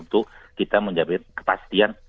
untuk kita menjadikan kepastian